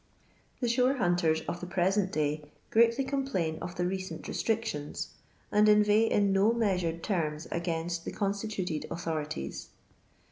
The shore hunters of the present day greatly com plain of the recent restrictions* and inveigh in no measured terms against the constituted authorities.